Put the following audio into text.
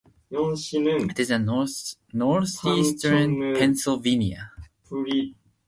It is in northeastern Pennsylvania.